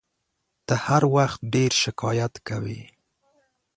ته هر وخت ډېر شکایت کوې !